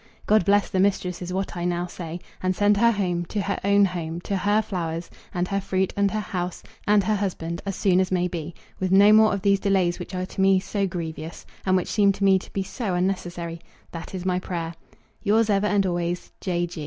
God bless the mistress is what I now say, and send her home, to her own home, to her flowers, and her fruit, and her house, and her husband, as soon as may be, with no more of these delays which are to me so grievous, and which seem to me to be so unnecessary. That is my prayer. Yours ever and always, J.